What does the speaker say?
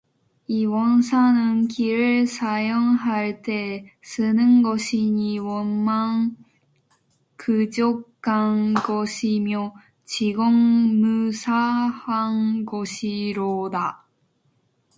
이 원상은 귀를 사용할 때에 쓰는 것이니 원만 구족한 것이며 지공 무사한 것이로다.